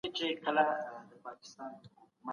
کله چي ماشین د کتاب پاڼه سمه کړه نو لاسلیک پکښي ښکاره سو.